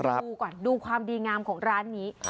ดูก่อนดูความดีงามของร้านนี้